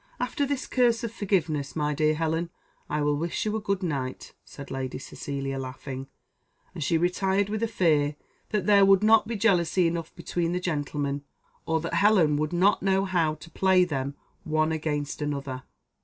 "After this curse of forgiveness, my dear Helen, I will wish you a good night," said Lady Cecilia, laughing; and she retired with a fear that there would not be jealousy enough between the gentlemen, or that Helen would not know how to play them one against another.